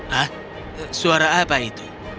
hah suara apa itu